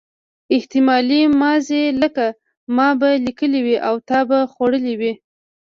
احتمالي ماضي لکه ما به لیکلي وي او تا به خوړلي وي.